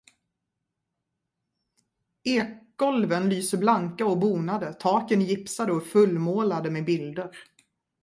Ekgolven lyser blanka och bonade, taken är gipsade och fullmålade med bilder.